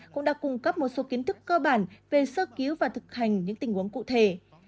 cũng đã cung cấp một số kiến thức cơ bản về sơ cứu và thực hành những tình huống cụ thể